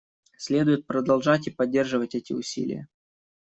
Следует продолжать и поддерживать эти усилия.